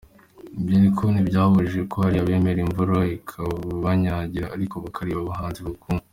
Ibyo ariko ntibyabujije ko hari abemera imvura ikabanyagira ariko bakareba abahanzi bakunda.